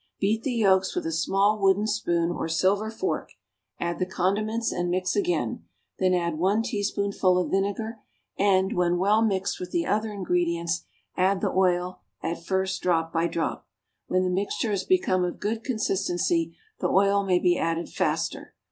Beat the yolks with a small wooden spoon or silver fork, add the condiments and mix again; then add one teaspoonful of vinegar, and, when well mixed with the other ingredients, add the oil, at first drop by drop. When the mixture has become of good consistency the oil may be added faster.